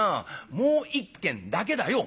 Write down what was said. もう一軒だけだよ」。